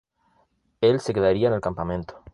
El se quedaría en el campamento.